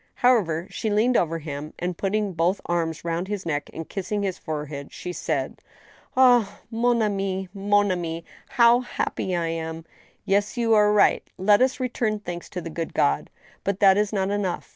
However, she leaned over hirii. and putting both arms round his neck and kissing his forehead, she said :" Ah ! mon ami ^mon ami! how happy I am ! Yes, you are right; let us return thanks to the good God. But that is not enough.